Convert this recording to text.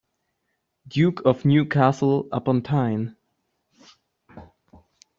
Duke of Newcastle-upon-Tyne.